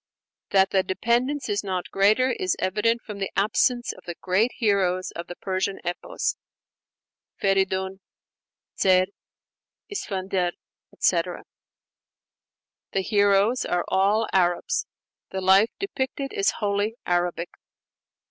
That the dependence is not greater is evident from the absence of the great heroes of the Persian Epos Feridun, Zer, Isfandyar, etc. The heroes are all Arabs; the life depicted is wholly Arabic.